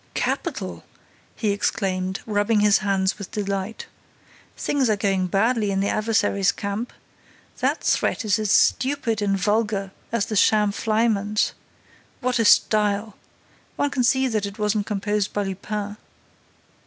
"Capital!" he exclaimed, rubbing his hands with delight. "Things are going badly in the adversary's camp. That threat is as stupid and vulgar as the sham flyman's. What a style! One can see that it wasn't composed by Lupin."